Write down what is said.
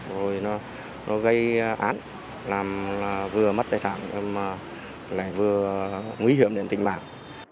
rồi nó gây án làm vừa mất tài sản mà lại vừa nguy hiểm đến tính mạng